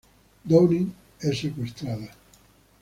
Downing, es secuestrada.